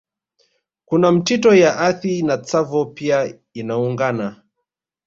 Kuna mito ya Athi na Tsavo pia inaungana